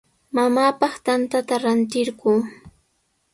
Mamaapaq tantata ratirquu.